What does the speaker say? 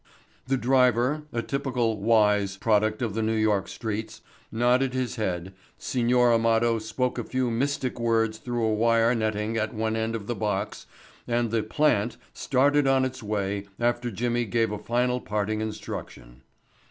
The driver, a typical "wise" product of the New York streets, nodded his head, Signor Amado spoke a few mystic words through a wire netting at one end of the box and the "plant" started on its way after Jimmy gave a final parting instruction.